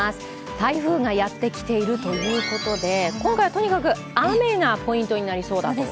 台風がやってきているということで、今回はとにかく雨がポイントになりそうだと。